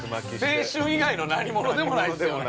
◆青春以外の何物でもないすよね。